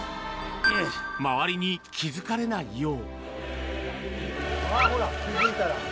周りに気付かれないよう。